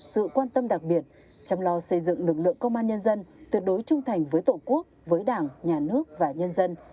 sự quan tâm đặc biệt chăm lo xây dựng lực lượng công an nhân dân tuyệt đối trung thành với tổ quốc với đảng nhà nước và nhân dân